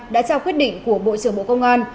đã trao quyết định của bộ trưởng bộ công an